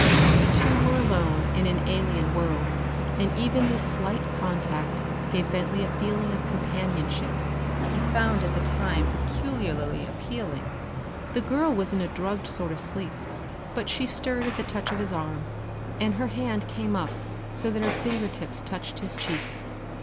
The two were alone in an alien world, and even this slight contact gave Bentley a feeling of companionship he found at the time peculiarly appealing. The girl was in a drugged sort of sleep, but she stirred at the touch of his arm, and her hand came up so that her fingertips touched his cheek.